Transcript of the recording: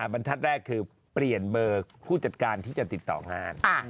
บรรทัศน์แรกคือเปลี่ยนเบอร์ผู้จัดการที่จะติดต่องาน